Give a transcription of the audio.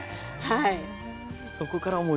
はい。